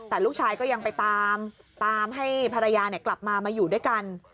แต่ลูกชายก็ยังไปตามตามให้ภรรยากลับมามาอยู่ด้วยกัน